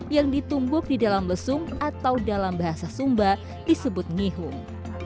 yang ditumbuk di dalam lesung atau dalam bahasa sumba disebut ngihung